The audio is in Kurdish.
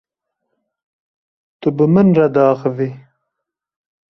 Tu bi min re diaxivî?